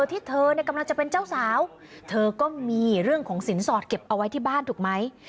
ที่เธอเนี่ยกำลังจะเป็นเจ้าสาวเธอก็มีเรื่องของสินสอดเก็บเอาไว้ที่บ้านถูกไหม